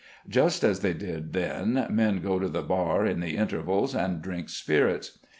Just as they did then, men go to the bar in the intervals and drink spirits.